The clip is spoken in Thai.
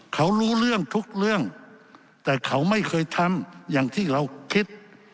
เขารู้เรื่องทุกเรื่องแต่เขาไม่เคยทำอย่างที่เราคิด